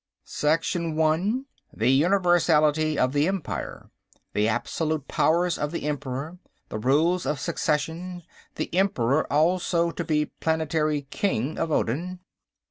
Section One: The universality of the Empire. The absolute powers of the Emperor. The rules of succession. The Emperor also to be Planetary King of Odin.